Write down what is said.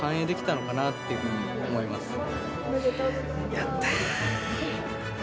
やった！